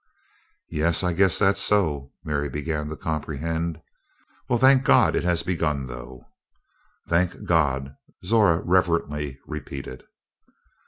"Yes, I guess that's so," Mary began to comprehend. "We'll thank God it has begun, though." "Thank God!" Zora reverently repeated.